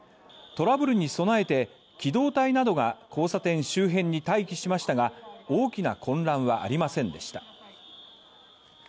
トラブルに備えて機動隊などが交差点周辺に待機しましたが、大きな混乱はありませんでした。